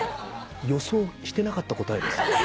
予想してなかった答えです。